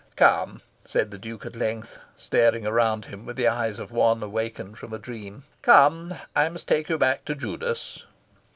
"Come!" said the Duke at length, staring around him with the eyes of one awakened from a dream. "Come! I must take you back to Judas."